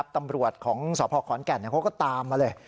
ตำรวจของสพขอนแก่นเขาก็ตามมาเลย